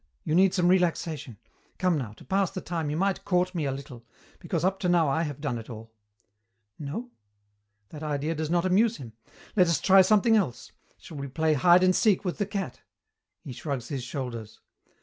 You need some relaxation. Come now, to pass the time you might court me a little, because up to now I have done it all. No? That idea does not amuse him. Let us try something else. Shall we play hide and seek with the cat? He shrugs his shoulders.